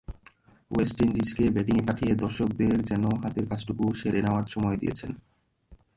West ইন্ডিজকে ব্যাটিংয়ে পাঠিয়ে দর্শকদের যেন হাতের কাজটুকু সেরে নেওয়ার সময় দিয়েছেন।